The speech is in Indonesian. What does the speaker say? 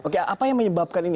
oke apa yang menyebabkan ini